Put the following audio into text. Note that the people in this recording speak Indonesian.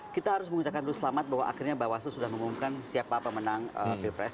kita harus mengucapkan selamat bahwa akhirnya bawaslu sudah mengumumkan siap pemenang bprs